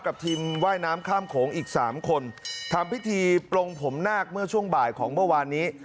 ทีมว่ายน้ำข้ามโขงอีกสามคนทำพิธีปลงผมนาคเมื่อช่วงบ่ายของเมื่อวานนี้